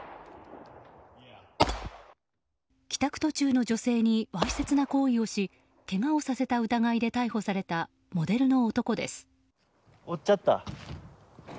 帰宅途中の女性にわいせつな行為をしけがをさせた疑いで逮捕されたモデルの男です。